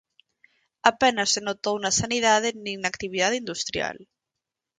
Apenas se notou na Sanidade nin na actividade industrial.